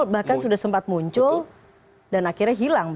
bahkan sudah sempat muncul dan akhirnya hilang